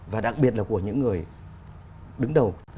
và đặc biệt là của những người đứng đầu